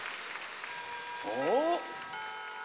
お？